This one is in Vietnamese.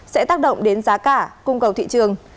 sẽ tác động đến giá cả cung cầu thị trường